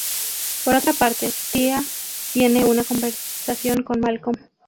Por otra parte, Thea tiene una conversación con Malcolm.